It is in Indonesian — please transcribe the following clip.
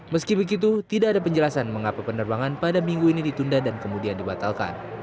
meski begitu tidak ada penjelasan mengapa penerbangan pada minggu ini ditunda dan kemudian dibatalkan